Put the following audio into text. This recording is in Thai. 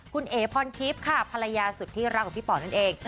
คุณเอพรคีปค่ะภรรยาสุดที่รักกับพี่ปอร์ตนั่นเอง